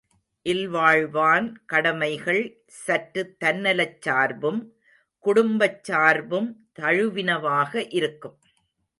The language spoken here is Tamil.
இல்வாழ்வான் கடமைகள் சற்று தன்னலச் சார்பும், குடும்பச் சார்பும் தழுவினவாக இருக்கும்.